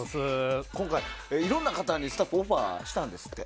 今回、いろいろな方にスタッフはオファーしたんだそうですって。